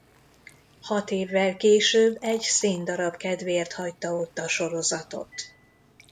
Hat évvel később egy színdarab kedvéért hagyta ott a sorozatot.